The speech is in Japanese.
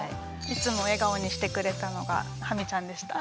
いつも笑顔にしてくれたのがハミちゃんでした。